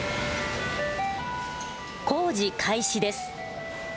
工事開始です。